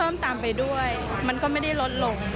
มันก็ไม่ได้ลดลง